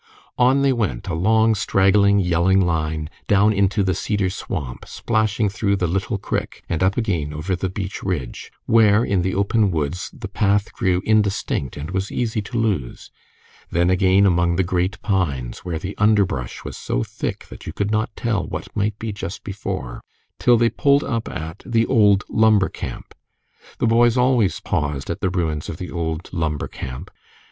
On they went, a long, straggling, yelling line, down into the cedar swamp, splashing through the "Little Crick" and up again over the beech ridge, where, in the open woods, the path grew indistinct and was easy to lose; then again among the great pines, where the underbrush was so thick that you could not tell what might be just before, till they pulled up at the old Lumber Camp. The boys always paused at the ruins of the old Lumber Camp.